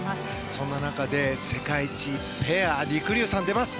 そんな中、世界一ペアりくりゅうさんが出ます。